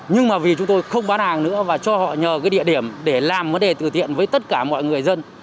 nhưng mà vì chúng tôi không bán hàng nữa và cho họ nhờ cái địa điểm để làm vấn đề từ thiện với tất cả mọi người dân